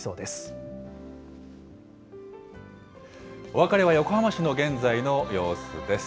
お別れは横浜市の現在の様子です。